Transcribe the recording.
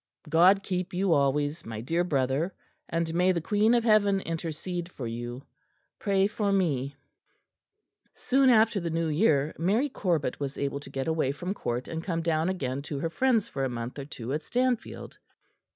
God keep you always, my dear Brother; and may the Queen of Heaven intercede for you. Pray for me." Soon after the New Year, Mary Corbet was able to get away from Court and come down again to her friends for a month or two at Stanfield.